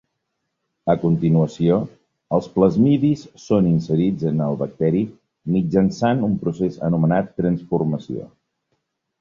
A continuació els plasmidis són inserits en el bacteri mitjançant un procés anomenat transformació.